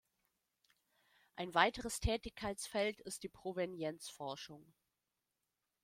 Ein weiteres Tätigkeitsfeld ist die Provenienzforschung.